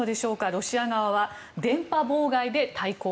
ロシア側は電波妨害で対抗。